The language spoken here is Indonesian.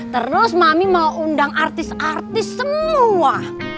terus mami mau undang artis artis semua